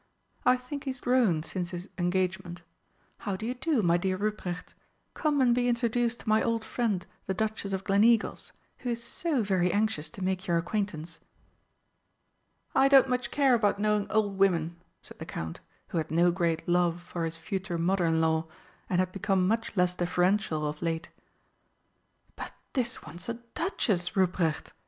I think he's grown since his engagement. How do you do, my dear Ruprecht? Come and be introduced to my old friend the Duchess of Gleneagles, who is so very anxious to make your acquaintance." "I don't much care about knowing old women," said the Count, who had no great love for his future mother in law, and had become much less deferential of late. "But this one's a Duchess, Ruprecht!"